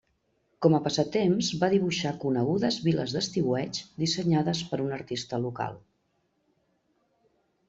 Com a passatemps va dibuixar conegudes viles d'estiueig dissenyades per un artista local.